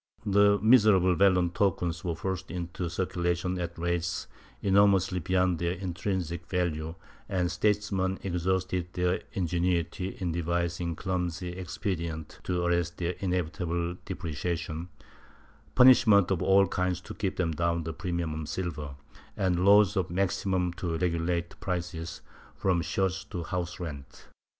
The miserable vellon tokens were forced into circulation at rates enormously beyond their intrinsic value, and statesmen exhausted their ingenuity in devising clumsy expedients to arrest their inevitable depreciation — punish ments of all kinds to keep down the premium on silver, and laws of maximum to regulate prices, from shirts to house rent.